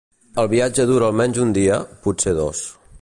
El viatge dura almenys un dia, potser dos.